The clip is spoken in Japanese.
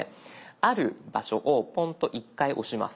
ある場所をポンと１回押します。